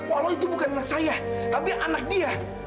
walau itu bukan anak saya tapi anak dia